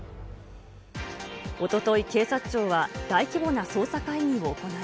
おととい、警察庁は大規模な捜査会議を行い。